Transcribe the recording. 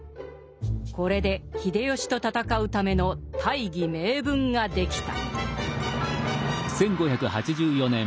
これで秀吉と戦うための大義名分ができた。